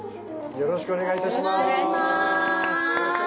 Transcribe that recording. よろしくお願いします。